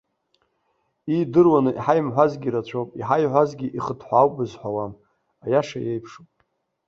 Иидыруаны иҳаимҳәазгьы рацәоуп, иҳаиҳәазгьы ихыҭҳәаауп узҳәауам аиаша еиԥшуп.